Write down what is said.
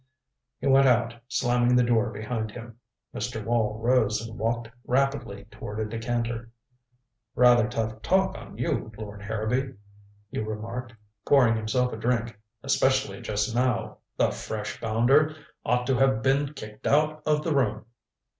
He went out, slamming the door behind him. Mr. Wall rose and walked rapidly toward a decanter. "Rather tough on you, Lord Harrowby," he remarked, pouring himself a drink. "Especially just now. The fresh bounder! Ought to have been kicked out of the room."